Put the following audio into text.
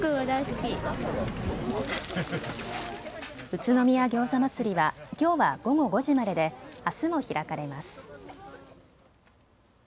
宇都宮餃子祭りはきょうは午後５時までであすも開かれます。